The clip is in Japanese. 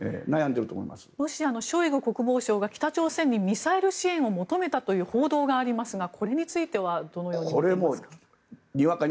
ロシアのショイグ国防相が北朝鮮にミサイル支援を求めたという報道がありますがこれについてはどのように見ていますか？